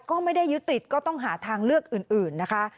ก็ไม่ได้ยึดติดก็ต้องหาทางเลือกอื่นนะคะ